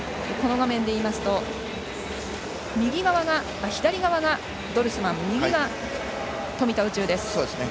画面で言うと左側がドルスマン右が富田宇宙です。